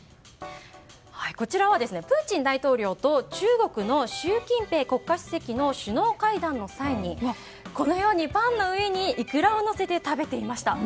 こちらはプーチン大統領と中国の習近平国家主席の首脳会談の際にこのようにパンの上にイクラをのせて食べていました。